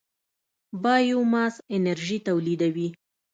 بایوماس انرژي تولیدوي.